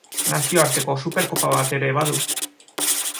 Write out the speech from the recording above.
Nazioarteko Superkopa bat ere badu.